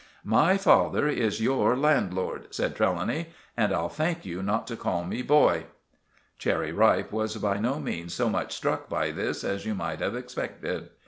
"My father is your landlord," said Trelawny. "And I'll thank you not to call me 'boy'!" Cherry Ripe was by no means so much struck by this as you might have expected.